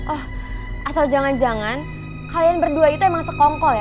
oh asal jangan jangan kalian berdua itu emang sekongkol ya